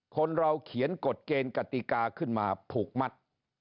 คนเราเขียนกฎเกณฑ์กติกาขึ้นมาผูกมัด